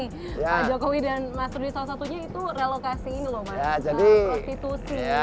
pak jokowi dan mas rudy salah satunya itu relokasi ini loh mas prostitusi